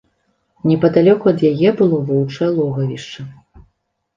Непадалёку ад яе было воўчае логавішча.